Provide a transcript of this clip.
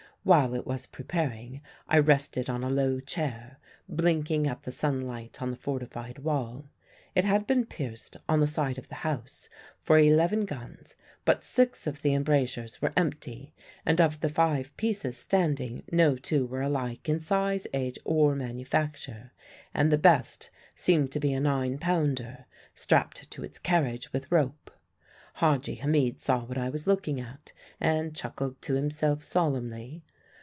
While it was preparing I rested on a low chair, blinking at the sunlight on the fortified wall. It had been pierced, on the side of the house, for eleven guns, but six of the embrasures were empty, and of the five pieces standing no two were alike in size, age, or manufacture, and the best seemed to be a nine pounder, strapped to its carriage with rope. Hadji Hamid saw what I was looking at, and chuckled to himself solemnly.